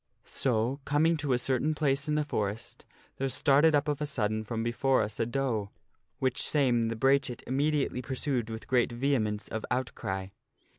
So, coming to a certain place in the forest, there started up of a sudden from before us a doe, which same the brachet immediately pursued with great vehemence of outcry.